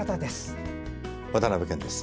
渡辺謙です。